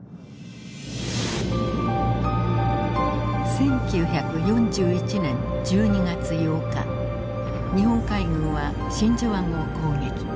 １９４１年１２月８日日本海軍は真珠湾を攻撃。